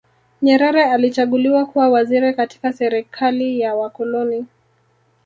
nyerere alichaguliwa kuwa waziri katika serikali ya wakoloni